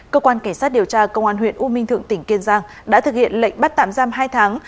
cơ quan cảnh sát điều tra công an huyện u minh thượng tỉnh kiên giang đã thực hiện lệnh bắt tạm giam hai tháng